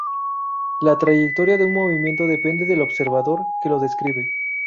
La trayectoria de un movimiento depende del observador que lo describe.